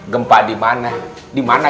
gempak di mana